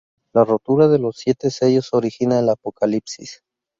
La rotura de los siete sellos origina el Apocalipsis.